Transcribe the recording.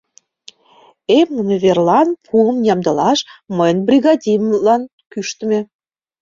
Эмлыме верлан пуым ямдылаш мыйын бригадемлан кӱштымӧ.